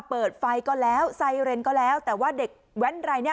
ไปเผยก็แล้วทรายวิงก็แล้วแต่ว่าเด็กแว่นใดนี่